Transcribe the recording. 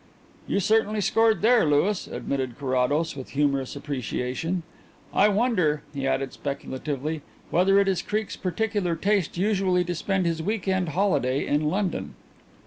"You certainly scored there, Louis," admitted Carrados, with humorous appreciation. "I wonder," he added speculatively, "whether it is Creake's peculiar taste usually to spend his week end holiday in London."